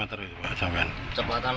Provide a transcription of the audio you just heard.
kecepatan berapa km